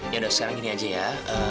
ya dok sekarang gini aja ya